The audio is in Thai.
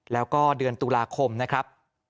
แล้วก็เดือนตุลาคมนะครับ